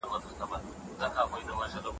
روح د باګرام راواخله